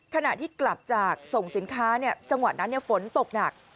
ขนาดที่กลับจากส่งสินค้าเนี่ยจังหวัดนั้นฝนตกหนัก